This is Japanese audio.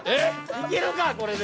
行けるか、これで！